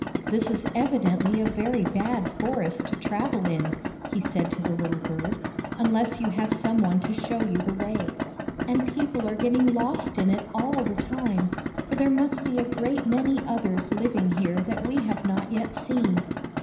" This is evidently a very bad forest to travel in," he said to the little bird, " unless you have some one to show you the way. And people are getting lost in it all the time, for there must be a great many others living here that we have not yet seen.